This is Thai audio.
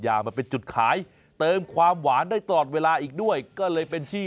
มันเป็นจุดขายเติมความหวานได้ตลอดเวลาอีกด้วยก็เลยเป็นชื่อ